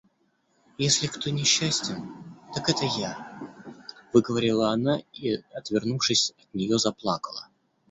Если кто несчастен, так это я, — выговорила она и, отвернувшись от нее, заплакала.